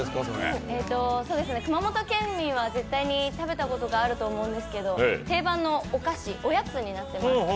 熊本県民は絶対に食べたことがあると思うんですけど、定番のお菓子、おやつになってます。